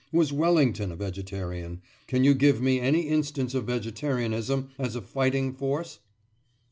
Was Wellington a vegetarian? Can you give me any instance of vegetarianism as a fighting force?